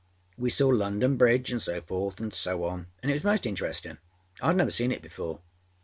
We saw London Bridge anâ so forth anâ so on, anâ it was most interestinâ. Iâd never seen it before.